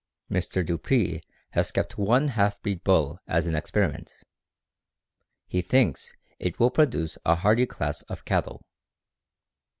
Mr. Dupree has kept one half breed bull as an experiment; he thinks it will produce a hardy class of cattle.